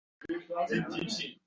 Toʻy toʻyday boʻlsinda axir!